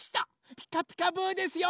「ピカピカブ！」ですよ。